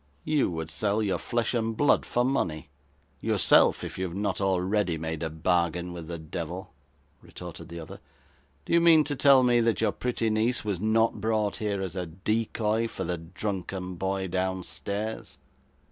'You would sell your flesh and blood for money; yourself, if you have not already made a bargain with the devil,' retorted the other. 'Do you mean to tell me that your pretty niece was not brought here as a decoy for the drunken boy downstairs?